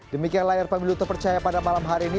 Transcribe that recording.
demikian layar pemilu terpercaya pada malam hari ini